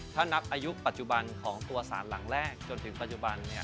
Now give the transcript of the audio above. ถ้านับอายุปัจจุบันของตัวสารหลังแรกจนถึงปัจจุบัน